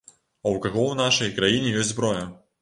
А ў каго ў нашай краіне ёсць зброя?